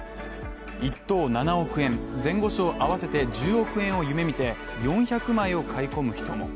１等７億円前後賞合わせて１０億円を夢見て４００枚を買い込む人も。